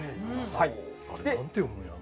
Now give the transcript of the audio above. あれなんて読むんやろ？